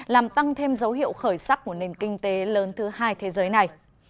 làm tăng thêm dấu hiệu khởi sắc của nền kinh tế lớn thứ hai thế giới này